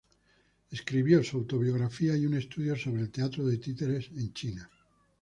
Escribió su autobiografía y un estudio sobre el teatro de títeres en China.